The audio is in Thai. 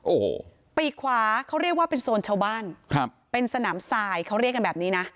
โอ้โหปีกขวาเขาเรียกว่าเป็นโซนชาวบ้านครับเป็นสนามทรายเขาเรียกกันแบบนี้นะ